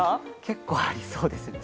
結構ありそうですね。